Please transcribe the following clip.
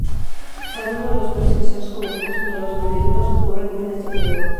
Algunos de los peores excesos cometidos contra los amerindios ocurrieron en este período.